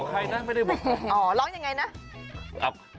อ๋อร้องยังไงนะ